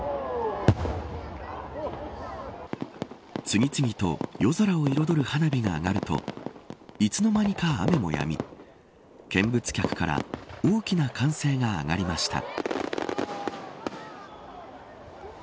次々と夜空を彩る花火が上がるといつの間にか雨もやみ見物客から大きな歓声が上がりました。